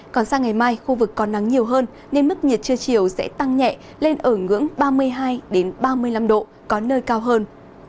còn sang ngày mai khu vực có nắng nhiều hơn nên mức nhiệt trưa chiều sẽ tăng nhẹ lên ở ngưỡng ba mươi hai ba mươi năm độ có nơi cao hơn